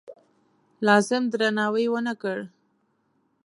لازم درناوی ونه کړ.